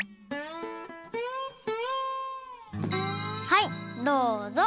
はいどうぞ！